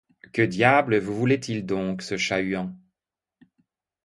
Que diable vous voulait-il donc, ce chat-huant?